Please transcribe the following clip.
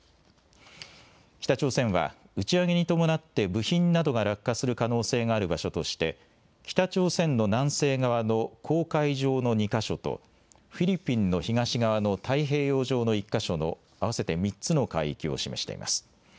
北朝鮮は、打ち上げに伴って部品などが落下する可能性がある場所として、北朝鮮の南西側の黄海上の２か所と、フィリピンの東側の太平洋上の１か所の、合わせて３つの海域を示しています。